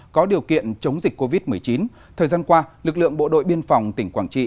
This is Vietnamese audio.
có điều kiện chống dịch covid một mươi chín thời gian qua lực lượng bộ đội biên phòng tỉnh quảng trị